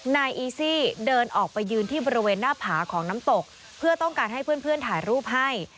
นายอีซี่เดินออกไปยืนที่บริเวณหน้าผาของน้ำตกเพื่อต้องการให้เพื่อนถ่ายรูปให้